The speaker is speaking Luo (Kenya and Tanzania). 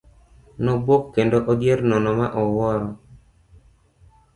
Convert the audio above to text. Nobuok kendo odhier nono ma owuoro.